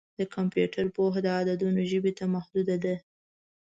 د کمپیوټر پوهه د عددونو ژبې ته محدوده ده.